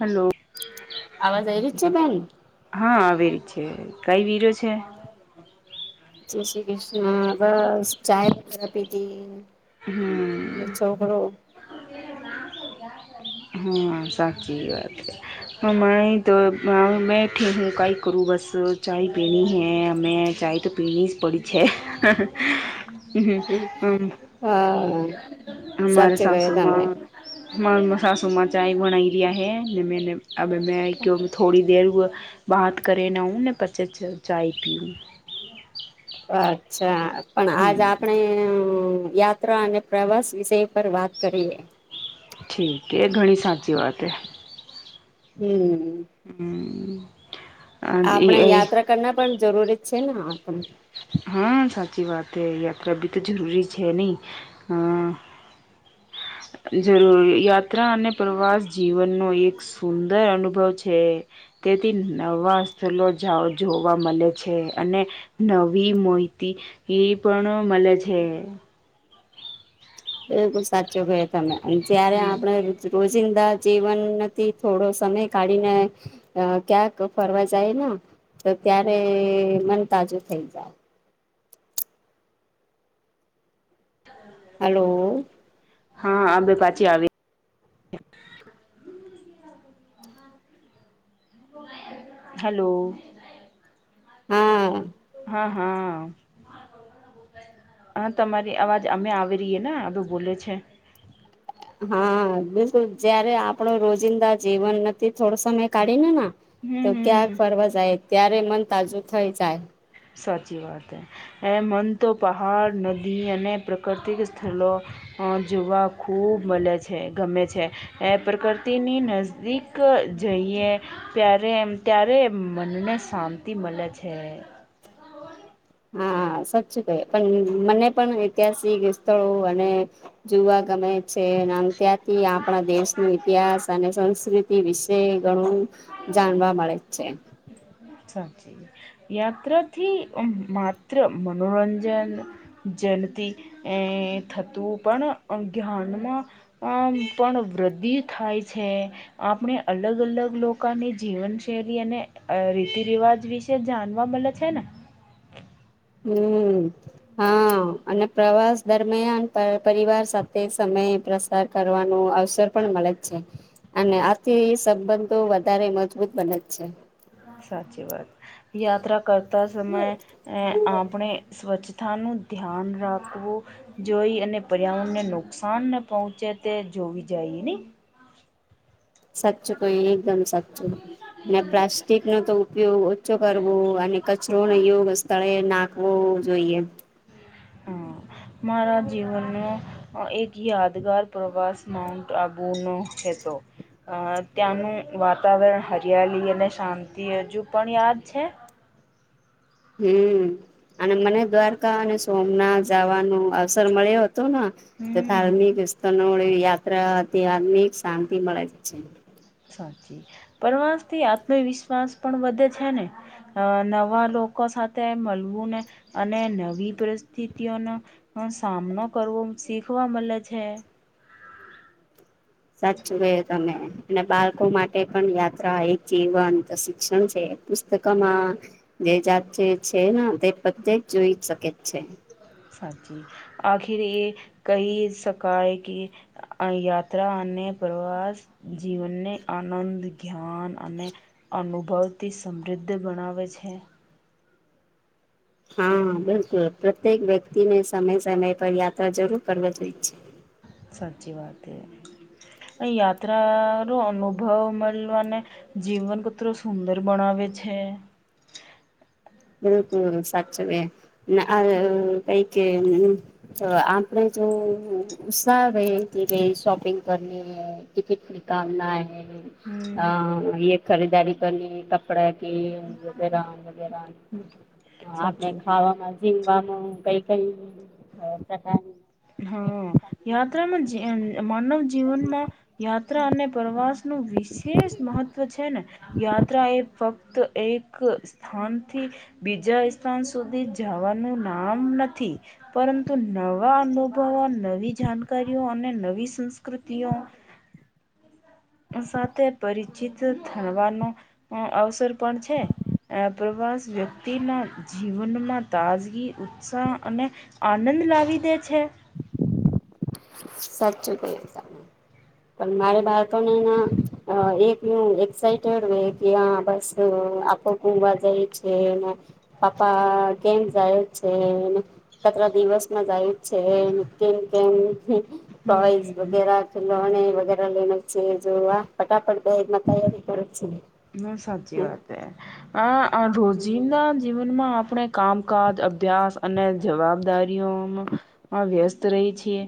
Hello અવાજ આઈરી છે બેન હા આવીરી છે કઈ વીરો છે જય શ્રી કૃષ્ણ બસ ચાય વગેરા પીધી હમ એ છોકરો હમ સાચી વાત છે. અ મેય તો અ બેઠી હું કાઈ કરું બસ ચાય પીની હૈ હમે ચાય તો પીની જ પડી છે. હમ હા અમારે સાચી કયું તમે સાસુમાં મા સાસુમાં ચા બનાઈ રહ્યા હૈ ને મેને અબે મેં આઈ ક્યું અભી થોડી દેર ઉઅ બાત કરને ઉ ને પછે ચાય પીઉં અચ્છા પણ આજ આપણે અ યાત્રા અને પ્રવાસ વિષય પર વાત કરીએ. ઠીક હે ઘણી સાચી વાત એ હમ હમ એ આપણે યાત્રા કરના પણ જરૂરી જ છે ને આપણે હા સાચી વાત હે યાત્રા બી તો જરૂરી છે નહી અ [inaudible] જરૂર યાત્રા અને પ્રવાસ જીવનનો એક સુંદર અનુભવ છે. તેથી નવા સ્થલો જાવ જોવા મલે છે અને નવ વી મોહિતી ઈ પણ મલે છે. બિલકુલ સાચું કહ્યું તમે અને ત્યારે આપણે રોજ જિંદા જીવનથી થોડો સમય કાઢીને અ ક્યાંક ફરવા જાઈને તો ત્યારે મન તાજું થઈ જાય [inaudible] હાલો હા આ બે પાછી આવી હાલો હા હા હા તમારી અવાજ અમે આવી રહીએ ને આ બે બોલે છે. હા બિલકુલ જયારે આપડો રોજિંદા જીવનથી થોડો સમય કાઢીને તો હમ ક્યાં હમ ફરવા જાય ત્યારે મન તાજું થઈ જાય સાચી વાત એ મન તો પહાડ નદી અને પ્રાકૃતિક સ્થલો જોવા ખૂબ મલે છે ગમે છે એ પ્રકૃતિની નજદીક જઈએ ત્યારે એમ ત્યારે મનને શાંતિ મલે છે. હા સાચચું કહે પણ મને પણ ઐતિહાસિક સ્થળો મને જોવા ગમે છે ત્યાંથી આપણા દેશનુ ઇતિહાસ અને સંસ્કૃતિ વિશે ઘણું જાણવા મળે છે. સાચી યાત્રાથી માત્ર મનોરંજન જન તી એ થતું પણ જ્ઞાનમાં અ પણ વૃદ્ધિ થાય છે આપણે અલગ અલગ લોકોની જીવનશૈલી અને અ રીતિ રિવાજ વિશે જાણવા મળે છે ને હમ હા અને પ્રવાસ દરમિયાન પ પરિવાર સાથે સમ સમય પ્રસાર કરવાનું આવ અસર પણ મલે જ છે અને આથી સંબંધો વધારે મજબૂત બને જ છે. સાચી વાત યાત્રા કરતા સમયે આપણે સ્વચ્છ થાનું ધ્યાન રાખવું જોઈ અને પર્યાવરણને નુકસાન ન પહોંચે તે જોવી જાય ને સાચું કઈ એકદમ સાચું ને હમ પ્લાસ્ટિક નો તો ઉપયોગ ઓછો કરવો કચરો નને યોગ સ્થળે નાખવો જોઈએ હા [inaudible] મારા જીવનનો એક યાદગાર પ્રવાસ માઉન્ટ આબુ નો છે દેસો અ ત્યાંનું વાતાવરણ હરિયાલી અને શાંતિ હજુ પણ યાદ છે. હમ અને મને દ્વારકા અને સોમનાથ જાવાનું અવસર મળ્યો તોના હમ ધાર્મિક યાત્રા હતી હારમિક શાંતિ મળે છે સાચી પરવાસ થી આત્મવિશ્વાસ પણ વધે છે ને નવા નવા લોકો સાથે મલવુંને અને નવી પરિસ્થિતિઓનો સામનો કરવો શીખવા મલે છે. સાચુ કે તને અને બાળકો માટે પણ યાત્રા એક જીવંત શિક્ષણ છે પુસ્તકોમાં જે જાત છે ને તે પ્રત્યે જ જોઈ શકે જ છે સાચી આખિર એ કઈ શકાય કે યાત્રા અને પ્રવાસ જીવનને આનંદ ધ્યાન અને અનુભવથી સમૃદ્ધ ગણાવે છે હા બિલકુલ પ્રત્યેક વ્યક્તિ ને સમય સમય પર યાત્રા જરૂર કરવા જોઈ છે સાચી વાત એ અ યાત્રા નો અનુભવ મલવા અને જીવન કટરો સુંદર બણાવે છે બિલકુલ સાચ કે [unintelligible] કઈ કે તો આપડે તો ઉત્સાહ રહે કે ભઈ શોપિંગ કરની હે ટિકિટ નિકાલના હે. હે હમ અ યે ખરીદારી કરી ત પડા કે લિયે વગેરા વગેરા આપણે સાચું ખાવામાં જે [unintelligible] કઈ કઈ [unintelligible] હા યાત્રામાં જી માનવ જીવનમાં યાત્રા અને પ્રવાસ નું વિશેષ મહત્વ છે ને યાત્રા એ ફક્ત એક સ્થાનથી બીજા સ્થાન સુધી જાવાનું નામ નથી પરંતુ નવા મુ ભવ નવી જાણકારીઓ અને નવી સંસ્કૃતિઓ સાથે પરિચિત થવાનો અવસર પણ છે. વાસ વ્યક્તિના જીવનમાં તાજગી ઉત્સાહ અને આનંદ લાવી દે. છે. સાચ્ચું કહ્યું. પણ મારે બાળકોને એક એક્સટેડ હોય કે બસ આપો ગુમવા જઈ છે ને પાપા કેમ જાય છે ને. [unintelligible] દિવસમાં જાય. છે કેમ [unintelligible] હમ વગેરા [unintelligible] [unintelligible] લઈએ છે જેવા ફટાફટ બેગમાં તૈયારી કરે છે. બઉ સાચી વાત એ આ રોજીંદના જીવનમાં આપડે કામકાજ અભ્યાસ અને જવાબદારીઓમાં વ્યસ્ત રહી છીએ.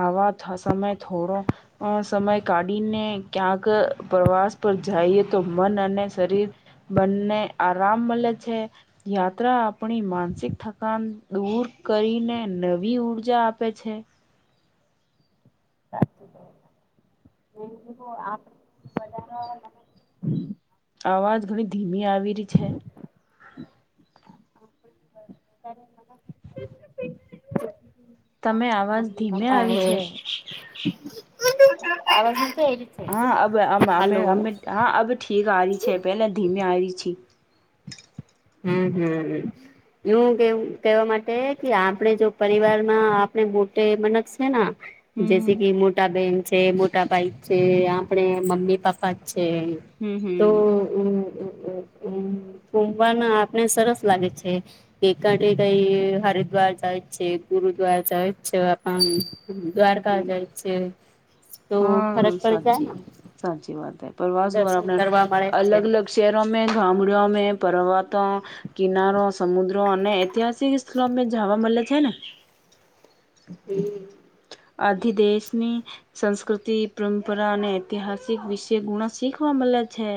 આવા થો સમય થોડો સમય કાઢીને ક્યાંક પ્રવાસ પણ જાઈએ. તો મન અને શરીર બંને આરામ મલે છે યાત્રા આપણી મા સિક થકાન દૂર કરીને નવી ઉર્જા આપે છે. [inaudible] [inaudible] અવાજ ઘણી ધીમી આવી રી છે. [inaudible] તમે અવાજ મમ્મી ધીમે આવી છે. આવે છે. હા અબ અમે હલો અમે હા અબ ઠીક આવી છે પેલે ધીમે આવી છે. હમ હમ એવું કે કેવા માટે કે આપડે જો પરિવારમાં આપડે મોટે મતલબ શેના જેસે કે મોટા બેન છે મોટા ભાઈ છે આપડે મમ્મી પાપા છે તો વાના આપની સરસ લાગે છે કે કાંઠે કઈ હરિદ્વાર જાય છે ગુરુદ્વાર જાય છે દ્વારકા જાય છે. તો હા ફરક પડી જાય ને સાચી સાચી વાત હે પ્રવાસ પણ દર્શન આપણે કરવા મળે અલગ છે અલગ શહેરો મેં ગામડિયા મેં પર્વત કા કિનારો સમુદ્રો અને ઐતિહાસિક સ્થળ જાવા મલે છે ને [inaudible] હમ આથી દેશની સંસ્કૃતિ પરંપરા અને ઐતિહાસિક વિષય ગુણા શીખવા મ લે છે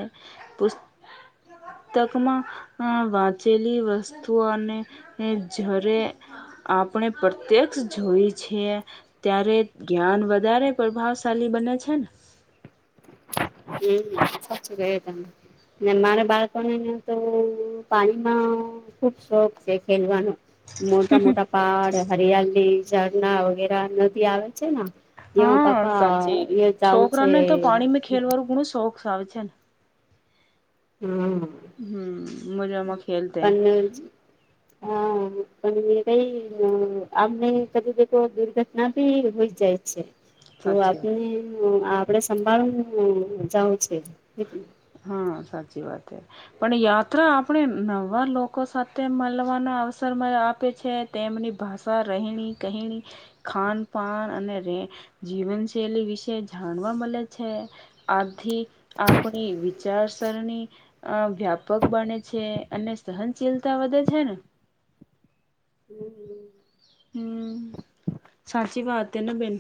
પુસ [inaudible] તકમાં અ વાંચેલી વસ્તુઓને જરે આ પણે પ્રત્યેક્ષ જોઈ છીએ. ત્યારે જ્ઞાન વધારે પ્રભાવશાળલી બને છે ને હમ સાચું કહ્યું તમેં મેં મારા બાળકોણને એમ તો પાણી બો ખુબ શોખ છે ખેલવાનો મોટા મોટા પહાડ હરિયાલી ઝરના વગેરા નદી આવે છે ના જેમાં હા પપ્પા એ જાવું છે. પાણી ખેલવાળું ઘુણું શોખ આવે છે. હમ હમ મજામાં ખેલતે પણ હા પણ એ કઈ આમને કદીબ તો દુર્ઘટના ભી હોઈ જાય છે તો સાચી આપને વાત. આપડે સંભાળું જાવું છે. હા સાચી વાત છે પણ યાત્રા આપણે નવા લોકો સાથે મલવાનું ના અવસર માં આપે છે તેમની ભાષા રહેણી કહેણી ખાન પાાન અને જીવન શૈલી વિશે જાણવા મલે છે આથી આપ આપણી વિચારસરણી આ વ્યાપક બને છે અને સહનશીલતા વધે છે. [unintelligible] હમ હમ સાચી વાત તે ને બેન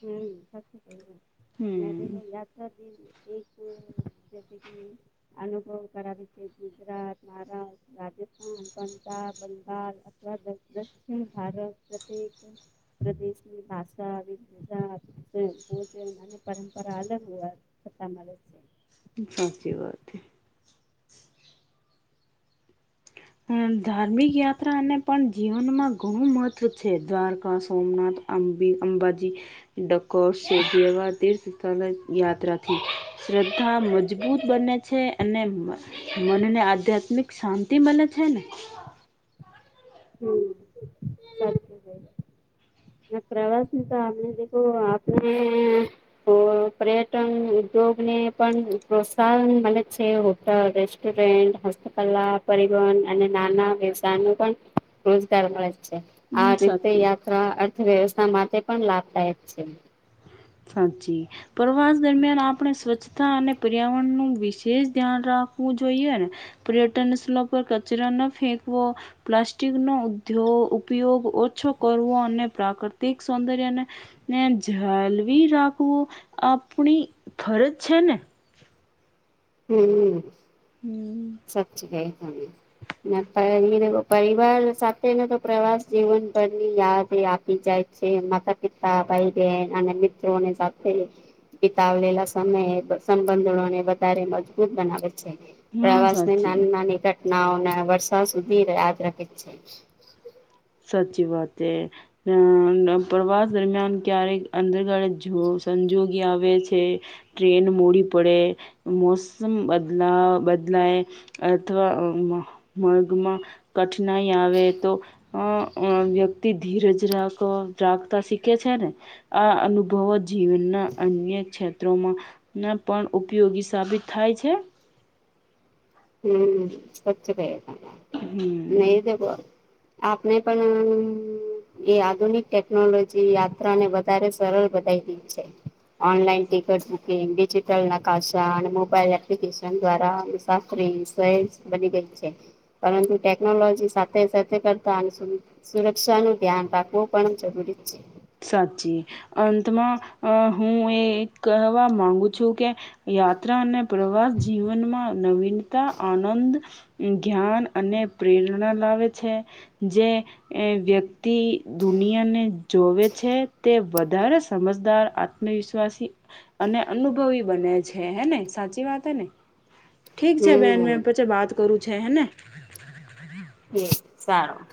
હમ [unintelligible] હમ યાત્રા ક [unintelligible] અનુભવ કરાવી છે ગુજરાત મહારાષ્ટ્ર રાજસ્થાન પંજાબ બંગાળ અથવા દક્ષિણ ભારત પ્રત્યેક પ્રદેશની ભાષા આવી છે. [unintelligible] ભોજન અને પરંપરા અલગ હોવા થતા મળે છે. સાચી વાત હે હું ધાર્મિક યાત્રાને પણ જીવનમાં ઘણું મહત્વ છે દ્વારકા સોમનાથ અબે અંબાજી ડકોર સેવા જેવા તીર્થ સ્થળ યાત્રાથી શ્રદ્ધા મજબૂત બને છે અને મ મનને આધ્યાત્મિક શાંતિ મલે છેને હમ સા [unintelligible] ના પ્રવાસ તો આપને આપને પર્યટન ઉદ્યોગને પણ પ્રોત્સાહન મલે છે હોટલ રેસ્ટોરન્ટ હસ્તપલા પરીવન અને નાના વ્યવાય નુ પણ રોજગાર મળે છે આ હમ રીતે સાચી યાત્રા અર્થવ્યવસ્થા માટે પણ લાભદાયક છે સાચી પ્રવાસ દરમિયાન આપણે સ્વચ્છતા અને પર્યાવરણ નું વિશેષ ધ્યાન રાખ રાખવુ જોઈને પીર્યટન સ્લોક પર કચરા ન ફેકવો પ્લાસ્ટિક નો ઉધોગ તો ઉપયોગ ઓછો કરવો અને પ્રાકૃતિક સૌદર્ય જાલ વી રાખવો આપણી ફરજ છે ને હમ હમ સાચી કઈ તમે માતા એ એ એવો પરિવાર સાથેને તો પ્રવાસ જીવન પરની યાદ એ આપી જાય છે માતા પિતા ભાઈ બહેન અને મિત્રોની સાથે પિતાવલેલા સમય સંબંધો ને બધા વધારે મજબૂત બનાવે છે હા પ્રવાસ ને સાચી નાની નાની નવા નવા વર્ષા સુધી યાદ રાખે છે સાચી વાત છે પ્રવાસ દરમિયાન ક્યારેક અંદરગાળે જુઓ સંજોગી આવે છે ટ્રેન મોડી પડે મોસમ બદલા બદલા બદલાય અથવા મગમાં કઠિનાઈ આવે તો અ વ્યક્તિ ધીરજ રાખવા રાખતા શીખે છે ને આ અનુભવો જીવનના અન્ય ક્ષેત્રોમાં ના પણ ઉપયોગી સાબિત થાય છે હમ સચ કહે તમે હમ નહિ તો બહુ આપને પણ એ આધુનિક ટેકનોલોજી યાત્રાને વધારે સરળ બધાઈ દી છે ઓનલાઈન ટિકિટ બુકિંગ ડિજિટલ નકાશા અને મોબાઈલ એપ્લિકેશન દ્વારા પીન્ટસાઈજ બની ગઈ છે પરંતુ ટેકનોલોજી સાથે સાથે કરતા સુરક્ષા નું ધ્યાન રાખવું પણ જરૂરી છે સાચી, અંતમાં હું એ કવા માંગુ છું કે. યાત્રા અને પ્રવાસ જીવનમાં નવીનતા આનંદ, ધ્યાન અને પ્રેરણા લાવે છે, જે વ્યક્તિ દુનિયાને જોવે છે તે વધારે સમજદાર આત્મવિશ્વાસી અને અનુભવી બને છે. હે ને સાચી વાત હૈ ને. [inaudible] ઠીક છે બેન હમ મેં પછી વાત કરું છે હેને. એ સારું.